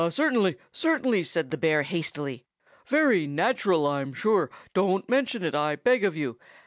"Certainly, certainly," said the bear hastily. "Very natural, I'm sure; don't mention it, I beg of you.